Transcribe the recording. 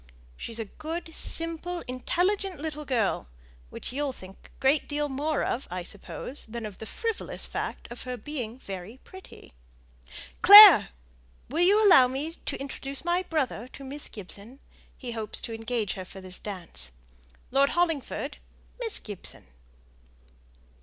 She's a good, simple, intelligent little girl, which you'll think a great deal more of, I suppose, than of the frivolous fact of her being very pretty. Clare! will you allow me to introduce my brother to Miss Gibson? he hopes to engage her for this dance. Lord Hollingford, Miss Gibson!"